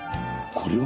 これは？